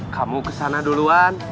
kamu kesana duluan